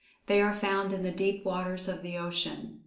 They are found[Pg 46] in the deep waters of the ocean.